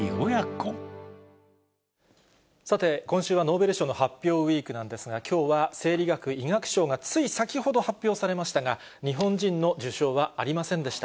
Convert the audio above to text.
さて、今週はノーベル賞の発表ウイークなんですが、きょうは生理学・医学賞が、つい先ほど発表されましたが、日本人の受賞はありませんでした。